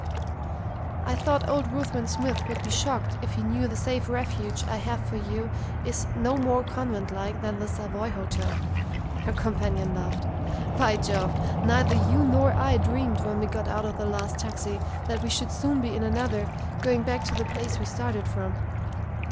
"I thought old Ruthven Smith would be shocked if he knew the 'safe refuge' I have for you is no more convent like than the Savoy Hotel," her companion laughed. "By Jove, neither you nor I dreamed when we got out of the last taxi that we should soon be in another, going back to the place we started from!"